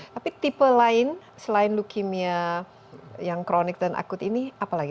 tapi tipe lain selain leukemia yang kronik dan akut ini apalagi